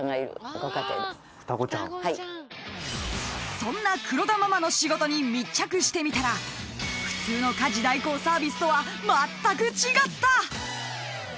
［そんな黒田ママの仕事に密着してみたら普通の家事代行サービスとはまったく違った！］